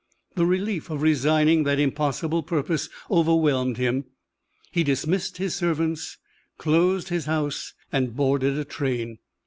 The relief of resigning that impossible purpose overwhelmed him. He dismissed his servants, closed his house, and boarded a train.